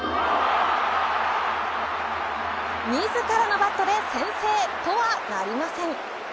自らのバットで先制とはなりません。